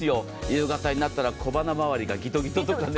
夕方になったら小鼻回りがギトギトとかね。